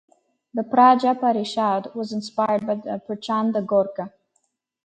The Praja Parishad was inspired by the Prachanda Gorkha.